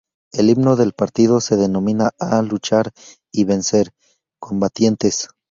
El himno del partido se denomina "A luchar y vencer, combatientes".